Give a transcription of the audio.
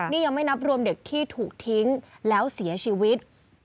นี่ยังไม่นับรวมเด็กที่ถูกทิ้งแล้วเสียชีวิต